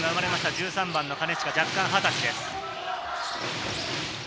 １３番の金近、弱冠二十歳です。